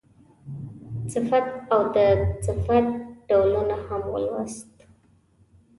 صفت او د صفت ډولونه هم ولوستل.